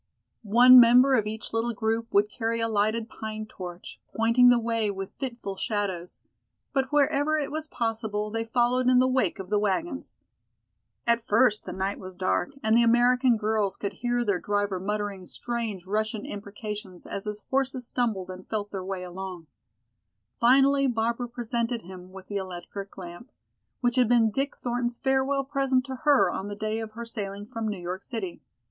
One member of each little group would carry a lighted pine torch, pointing the way with fitful shadows. But wherever it was possible they followed in the wake of the wagons. At first the night was dark and the American girls could hear their driver muttering strange Russian imprecations as his horses stumbled and felt their way along. Finally Barbara presented him with the electric lamp, which had been Dick Thornton's farewell present to her on the day of her sailing from New York City.